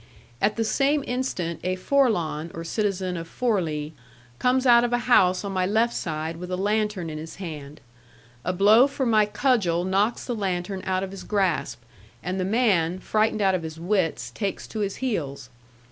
At the same instant a Forlan, or citizen of Forli, comes out of a house on my left side with a lantern in his hand. A blow from my cudgel knocks the lantern out of his grasp, and the man, frightened out of his wits, takes to his heels.